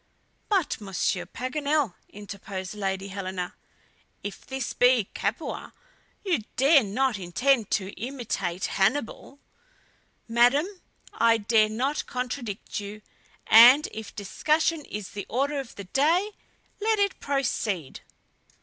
"But, Monsieur Paganel," interposed Lady Helena, "if this be Capua, you dare not intend to imitate Hannibal!" "Madam, I dare not contradict you, and if discussion is the order of the day, let it proceed."